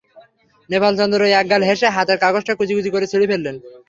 নেপাল চন্দ্র একগাল হেসে হাতের কাগজটা কুচি কুচি করে ছিঁড়ে ফেললেন।